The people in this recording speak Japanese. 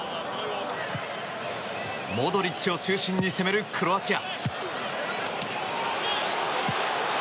モドリッチを中心に攻めるクロアチア。